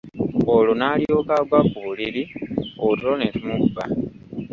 Olwo n'alyoka agwa ku buliri otulo ne tumubba.